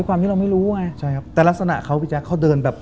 ก็มาหยิบที่นี่เอาแล้วกัน